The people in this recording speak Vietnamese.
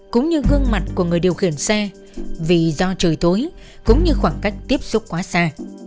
cũng như gương mặt của người điều khiển xe vì do trời tối cũng như khoảng cách tiếp xúc quá xa